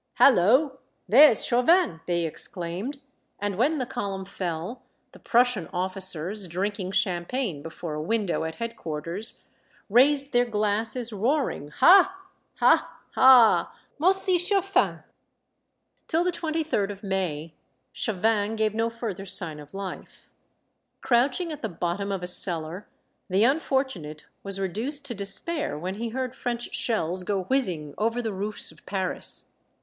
" Hallo ! there 's Chauvin !" they exclaimed, and when the Column fell, the Prussian officers, drinking champagne before a window at head quarters, raised their glasses, roaring " Ha, ha, ha ! Mossie Chaufin." Till the twenty third of May, Chauvin gave no further sign of Hfe. Crouching at the bottom of a cellar, the unfortunate was reduced to despair when he heard French shells go whizzing over the roofs of Paris.